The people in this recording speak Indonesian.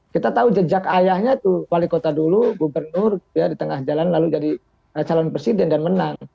kita tahu jejak ayahnya itu wali kota dulu gubernur di tengah jalan lalu jadi calon presiden dan menang